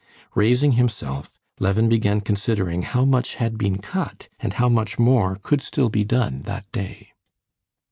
Raising himself, Levin began considering how much had been cut and how much more could still be done that day.